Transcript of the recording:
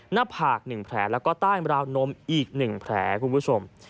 หน้าผากหนึ่งแผลแล้วก็ใต้ลาวนมอีกหนึ่งแผลคุณผู้ชม